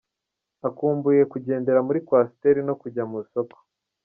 Akumbuye kugendera muri Coaster no kujya mu isoko.